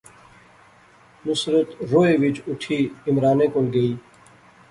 نصرت رووہے وچ اوٹھی عمرانے کول گئی